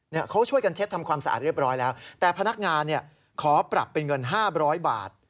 เขาช่วยกันเช็ดทำความสะอาดเรียบร้อยแล้วแต่พนักงานเนี่ยขอปรับเป็นเงินห้าร้อยบาท